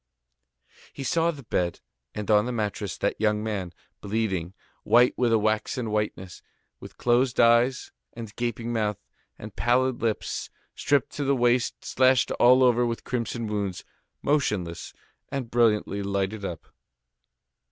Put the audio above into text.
He saw the bed, and on the mattress that young man, bleeding, white with a waxen whiteness, with closed eyes and gaping mouth, and pallid lips, stripped to the waist, slashed all over with crimson wounds, motionless and brilliantly lighted up.